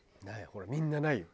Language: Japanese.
ほらみんなないよ。